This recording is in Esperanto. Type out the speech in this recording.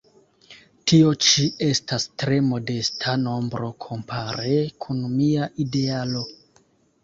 Tio ĉi estas tre modesta nombro kompare kun mia idealo.